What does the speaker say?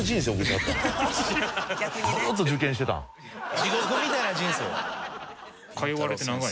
地獄みたいな人生。